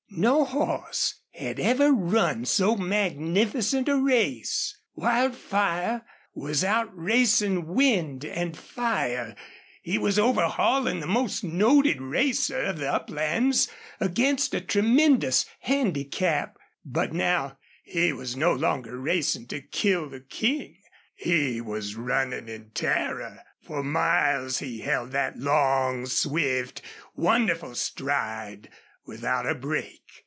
No horse had ever run so magnificent a race! Wildfire was outracing wind and fire, and he was overhauling the most noted racer of the uplands against a tremendous handicap. But now he was no longer racing to kill the King; he was running in terror. For miles he held that long, swift, wonderful stride without a break.